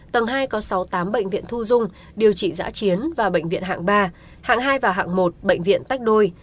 tầng hai có sáu tám bệnh viện thu dung điều trị giã chiến và bệnh viện hạng ba hạng hai và hạng một bệnh viện tách đôi